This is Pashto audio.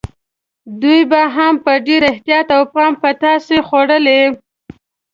دوی به هم په ډېر احتیاط او پام پتاسې خوړلې.